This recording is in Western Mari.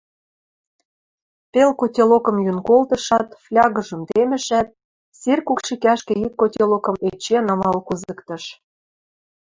Пел котелокым йӱн колтышат, флягыжым темӹшӓт, сир кӱкшикӓшкӹ ик котелокым эче намал кузыктыш.